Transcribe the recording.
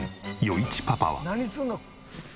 余一パパは。